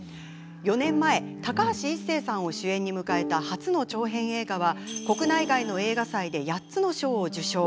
４年前、高橋一生さんを主演に迎えた初の長編映画は国内外の映画祭で８つの賞を受賞。